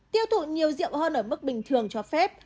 tiêu thụ nhiều rượu hơn ở mức bình thường cho phép